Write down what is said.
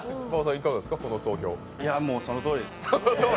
いや、もうそのとおりです。